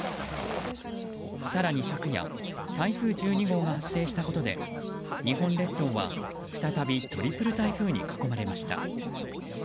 更に、昨夜台風１２号が発生したことで日本列島は再びトリプル台風に囲まれました。